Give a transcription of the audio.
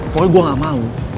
pokoknya gue gak mau